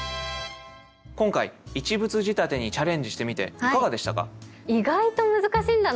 今回一物仕立てにチャレンジしてみていかがでしたか？